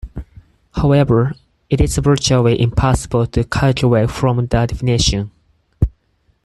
However, it is virtually impossible to calculate from the definition.